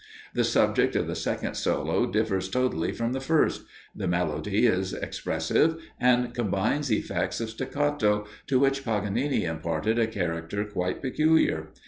The subject of the second solo differs totally from the first; the melody is expressive and combines effects of staccato, to which Paganini imparted a character quite peculiar.